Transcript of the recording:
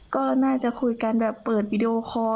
ก็น่าจะคุยกันแบบเปิดวิดีโอคอร์